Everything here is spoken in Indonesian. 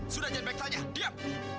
sudah jangan baik baik tanya diam